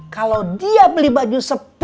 kalo dia beli baju sepuluh